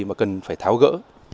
mà cần phải tháo gỡ